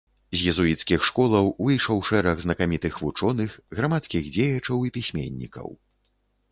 З езуіцкіх школаў выйшаў шэраг знакамітых вучоных, грамадскіх дзеячаў і пісьменнікаў.